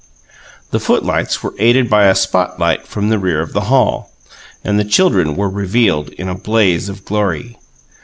The footlights were aided by a "spot light" from the rear of the hall; and the children were revealed in a blaze of glory.